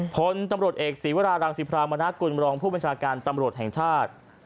พลตำรวจเอกศีวรารังสิพรามนากุลบรองผู้บัญชาการตำรวจแห่งชาติ